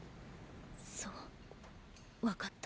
そうわかった。